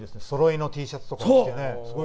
そろいのＴシャツとか着て。